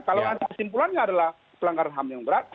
kalau nanti kesimpulannya adalah pelanggaran ham yang berat